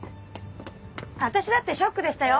私だってショックでしたよ。